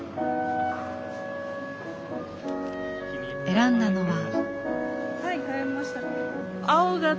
選んだのは。